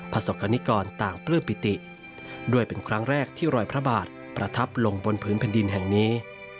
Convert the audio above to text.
ประสบกรณิกรต่างปลื้มปิติด้วยเป็นครั้งแรกที่รอยพระบาทประทับลงบนพื้นแผ่นดินแห่งนี้